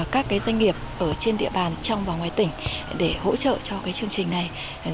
các doanh nghiệp ở trên địa bàn trong và ngoài tỉnh để hỗ trợ cho chương trình này